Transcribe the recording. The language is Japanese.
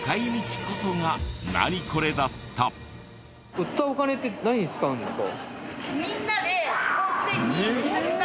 売ったお金って何に使うんですか？